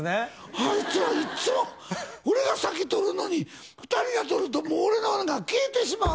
あいつらいっつも俺が先とるのに２人がとるともう俺のが消えてしまう！